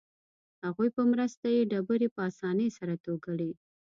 هغوی په مرسته یې ډبرې په اسانۍ سره توږلې.